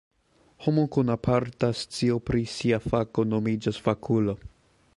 Homo kun aparta scio pri sia fako nomiĝas fakulo.